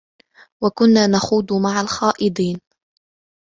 وكنا نخوض مع الخائضين